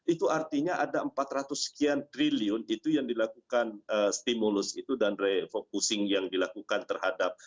itu artinya ada empat ratus sekian triliun itu yang dilakukan stimulus itu dan refocusing yang dilakukan terhadap